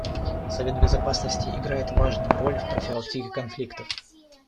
Совет Безопасности играет важную роль в профилактике конфликтов.